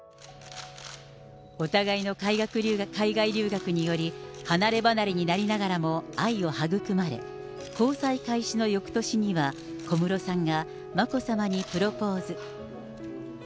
お互いの海外留学により、離れ離れになりながらも愛を育まれ、交際開始のよくとしには、小室さんが眞子さまにプロポーズ。